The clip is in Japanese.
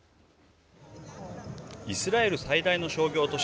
イスラエル最大の商業都市